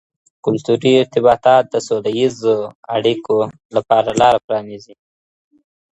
کلتوري ارتباطات د سوله ییزو اړیکو لپاره لاره پرانیزي.